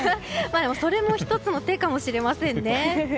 それも１つの手かもしれませんね。